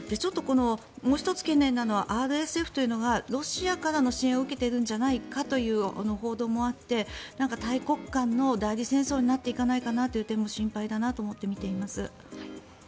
もう１つ懸念なのはＲＳＦというのがロシアからの支援を受けているんじゃないかという報道もあって大国間の代理戦争になっていかないかなという点も心配だなと思ってみています。